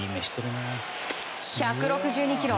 １６２キロ。